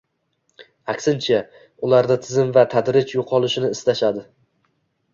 aksincha – ularda tizim va tadrij yo‘qolishini istashadi